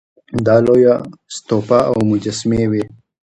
دلته لویه استوپا او مجسمې وې